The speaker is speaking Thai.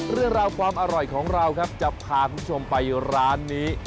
เรื่องราวความอร่อยของเราครับจะพาคุณผู้ชมไปร้านนี้